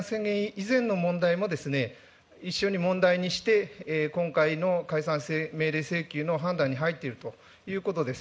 以前の問題も、一緒に問題にして、今回の解散命令請求の判断に入っているということです。